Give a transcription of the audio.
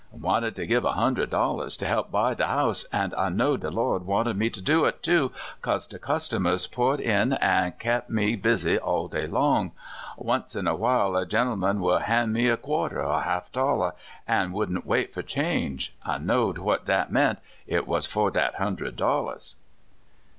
" I wanted to give a hundred dollars to help buy de house, an' I know de Lord wanted me to do it, too, 'cause de customers poured in an' kep' me busy all day long. Once in awhile a gentleman would han' me a quarter, or half a dollar, an' wouldn't wait for change. I knowed what dat meant — it was for dat hundred dollars."